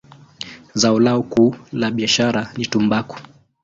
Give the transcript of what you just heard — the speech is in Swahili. Zao lao kuu la biashara ni tumbaku.